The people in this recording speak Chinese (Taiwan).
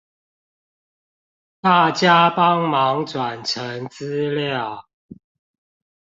大家幫忙轉成資料